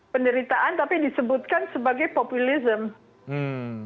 penderitaan tapi disebutkan sebagai populisme